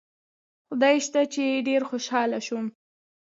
خدای شته چې ډېر خوشاله شوم.